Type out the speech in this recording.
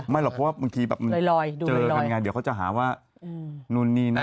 ไม่หรอกเพราะว่าเมื่อกี๊แบบเจอคำงานเดี๋ยวเขาจะหาว่านูนี่น่ะ